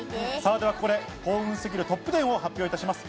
ではここで幸運すぎるトップ１０を発表いたします。